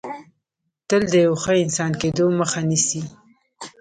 تل د یو ښه انسان کېدو مخه نیسي